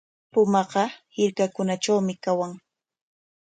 Pumaqa hirkakunatrawmi kawan.